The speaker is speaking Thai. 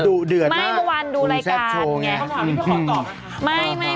เดือนเหรอคุณแชร์ช่วงเนี่ยเพราะว่าไม่ขอตอบนะคะ